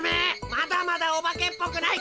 まだまだオバケっぽくない。